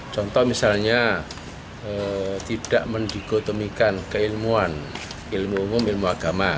contoh misalnya tidak mendikotomikan keilmuan ilmu umum ilmu agama